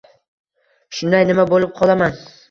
Shunday nima bo‘lib qolaman.